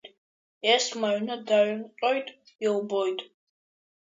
Есма аҩны дааҩнҟьоит, илбоит…